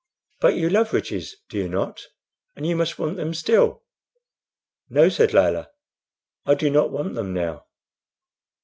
"But you love riches, do you not? and you must want them still?" "No," said Layelah, "I do not want them now."